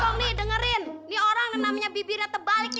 jika nih dengerin nih orang namanya bibirnya terbalik nih